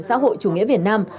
xã hội chủ nghĩa việt nam